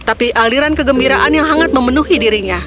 tapi aliran kegembiraan yang hangat memenuhi dirinya